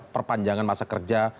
perpanjangan masa kerja